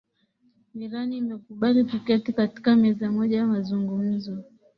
iran imekubali kuketi katika meza moja ya mazungumzo